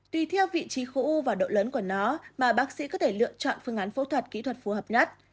tùy theo vị trí khu và độ lớn của nó mà bác sĩ có thể lựa chọn phương án phẫu thuật kỹ thuật phù hợp nhất